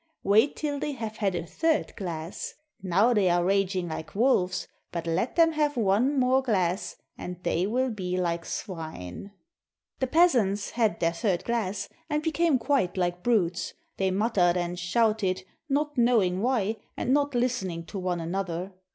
Wait till they have had a third glass. Now they are raging like wolves, but let them have one more glass, and they will be like swine." The peasants had their third glass, and became quite like brutes. They muttered and shouted, not knowing why, and not listening to one another.